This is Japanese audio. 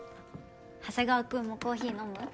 長谷川君もコーヒー飲む？